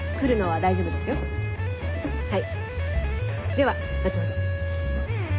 では後ほど。